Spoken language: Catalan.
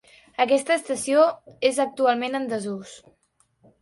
Aquesta estació és actualment en desús.